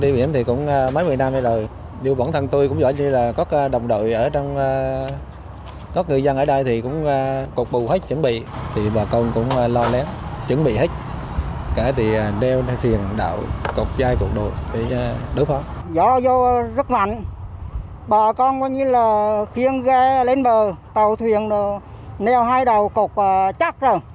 bên bờ tàu thuyền nèo hai đầu cục chắc rồi